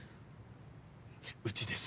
うちです。